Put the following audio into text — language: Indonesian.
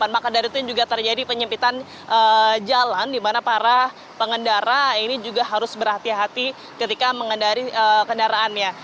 maka dari itu juga terjadi penyempitan jalan di mana para pengendara ini juga harus berhati hati ketika mengendari kendaraannya